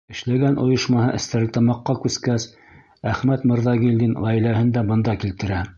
Эшләгән ойошмаһы Стәрлетамаҡҡа күскәс, Әхмәт Мырҙагилдин ғаиләһен дә бында килтерә.